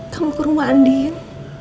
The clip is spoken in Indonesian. kamu ke rumah andin